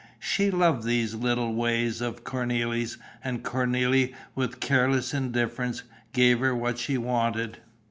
She loved these little ways of Cornélie's; and Cornélie, with careless indifference, gave her what she wanted.